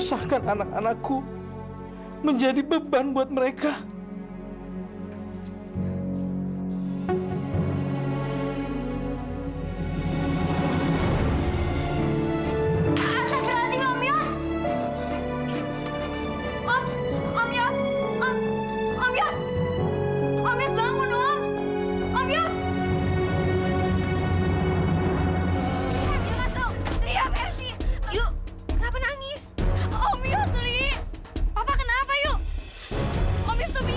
sampai jumpa di video selanjutnya